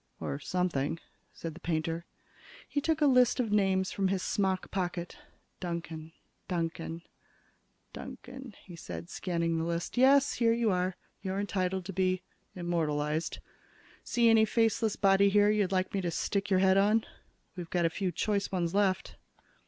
"Or something," said the painter. He took a list of names from his smock pocket. "Duncan, Duncan, Duncan," he said, scanning the list. "Yes here you are. You're entitled to be immortalized. See any faceless body here you'd like me to stick your head on? We've got a few choice ones left."